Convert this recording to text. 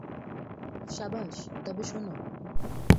শাবাশ, তবে শোনো।